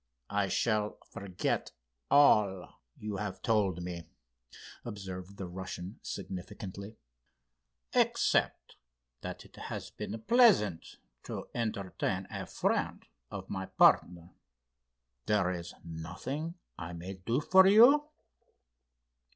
"I shall forget all you have told me," observed the Russian, significantly; "except that it has been pleasant to entertain a friend of my partner. There is nothing I may do for you?"